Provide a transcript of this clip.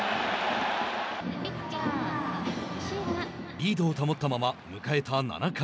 リードを保ったまま迎えた７回。